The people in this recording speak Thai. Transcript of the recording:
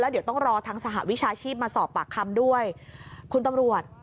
เดี๋ยวต้องรอทางสหวิชาชีพมาสอบปากคำด้วยคุณตำรวจ